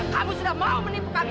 kamu sudah mau menipu kami